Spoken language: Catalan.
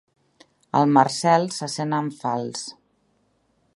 El Marcel se sent en fals.